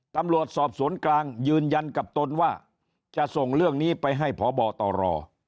ตำรวจสอบสวนกลางยืนยันกับตนว่าจะส่งเรื่องนี้ไปให้พบตร